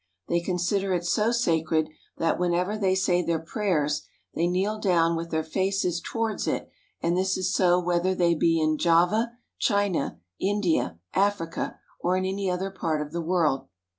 They consider it so sacred that whenever they say their prayers, they kneel down with their faces towards it, and this is so whether they be in Java, China, India, Africa, or in any other part of the world.